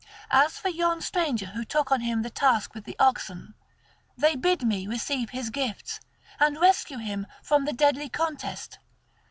As for yon stranger who took on him the task with the oxen, they bid me receive his gifts and rescue him from the deadly contest.